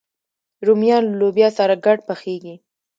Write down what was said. رومیان له لوبیا سره ګډ پخېږي